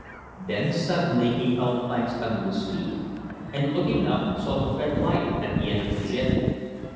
Then suddenly he felt planks under his feet and, looking up, saw the red light at the end of the jetty.